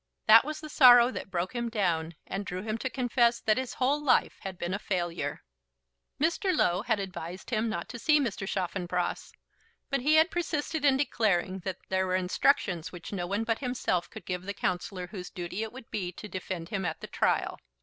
That was the sorrow that broke him down, and drew him to confess that his whole life had been a failure. Mr. Low had advised him not to see Mr. Chaffanbrass; but he had persisted in declaring that there were instructions which no one but himself could give to the counsellor whose duty it would be to defend him at the trial.